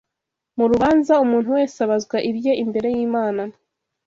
Mu rubanza, umuntu wese abazwa ibye imbere y’Imana